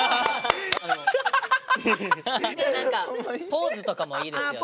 で何かポーズとかもいいですよね。